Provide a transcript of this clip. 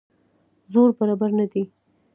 زور برابر نه دی.